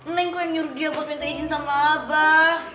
neng kau yang nyuruh dia minta izin sama abah